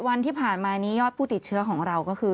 วันที่ผ่านมานี้ยอดผู้ติดเชื้อของเราก็คือ